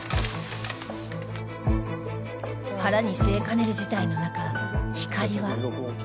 腹に据えかねる事態の中ひかりは